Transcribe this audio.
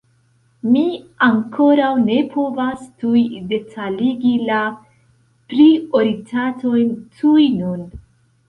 Mi ankoraŭ ne povas tuj detaligi la prioritatojn tuj nun.